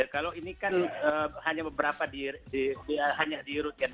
kalau ini kan hanya beberapa di rute kan